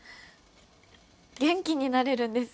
元気になれるんです。